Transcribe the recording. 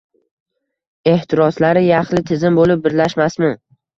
Ehtiroslari yaxlit tizim bo’lib birlashmasmi?